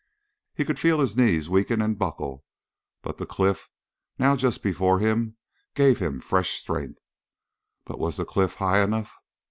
He could feel his knees weaken and buckle, but the cliff, now just before him, gave him fresh strength. But was the cliff high enough?